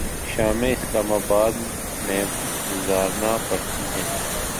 شامیں Islamabad میں گزارنا پڑتی ہیں۔